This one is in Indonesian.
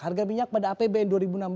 harga minyak pada apbn dua ribu enam belas